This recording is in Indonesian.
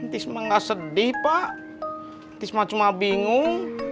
tis mah gak sedih pak tis mah cuma bingung